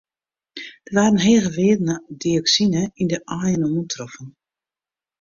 Der waarden hege wearden dioksine yn de aaien oantroffen.